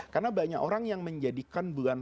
karena banyak orang yang menjadikan bulan